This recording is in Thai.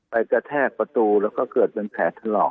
กระแทกประตูแล้วก็เกิดเป็นแผลถลอก